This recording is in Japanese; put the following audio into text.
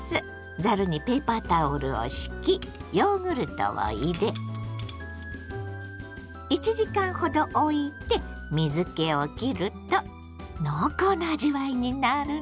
ざるにペーパータオルを敷きヨーグルトを入れ１時間ほどおいて水けをきると濃厚な味わいになるの。